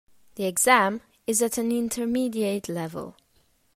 The exam is at an intermediate level.